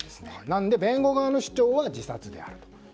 なので弁護側の主張は自殺であると。